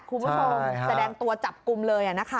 คุณผู้ชมแสดงตัวจับกลุ่มเลยอะนะคะ